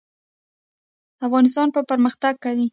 افغانستان به پرمختګ کوي؟